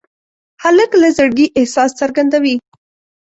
هلک له زړګي احساس څرګندوي.